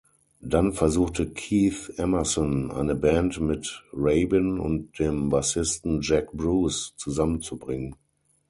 Dann versuchte Keith Emerson, eine Band mit Rabin und dem Bassisten Jack Bruce zusammenzubringen.